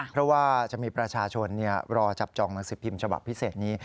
เพราะว่าจะมีประชาชนรอจับจองหนังสือพิมพ์ฉบับพิเศษนี้